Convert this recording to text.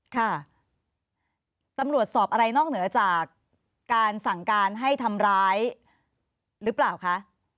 ค่ะตำรวจสอบอะไรนอกเหนือจากการสั่งการให้ทำร้ายหรือเปล่าคะ